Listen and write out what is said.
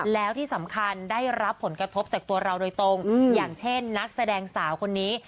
แล้วที่สำคัญได้รับผลกระทบจากตัวเราโดยตรงอย่างเช่นนักแสดงสาวคนนี้